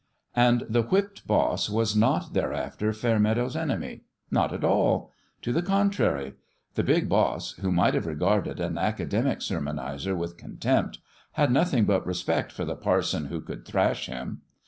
And the whipped boss was not thereafter Fair meadow's enemy. Not at all ! To the contrary : the big boss, who might have regarded an aca demic sermonizer with contempt, had nothing but respect for the parson who could thrash him.